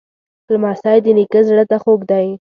لمسی د نیکه زړه ته خوږ دی.